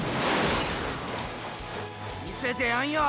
見せてやんよ。